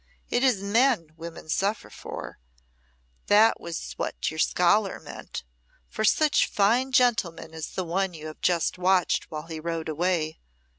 It is men women suffer for; that was what your scholar meant for such fine gentlemen as the one you have just watched while he rode away.